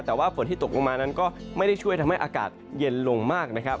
แต่ว่าฝนที่ตกลงมานั้นก็ไม่ได้ช่วยทำให้อากาศเย็นลงมากนะครับ